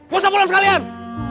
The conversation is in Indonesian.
gak usah pulang sekalian